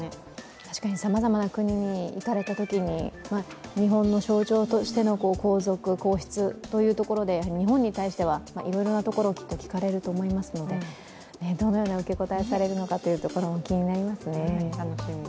確かにさまざまな国に行かれたときに日本の象徴としての皇族・皇室というところで、日本に対してはいろいろなところをきっと聞かれると思いますので、どのような受け答えをされるのかも気になりますね。